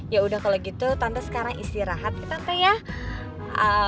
ya udah kalau gitu tante sekarang istirahat tante ya